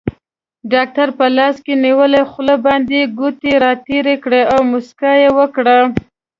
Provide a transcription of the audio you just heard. ډاکټر په لاس کې نیولې خولۍ باندې ګوتې راتېرې کړې او موسکا یې وکړه.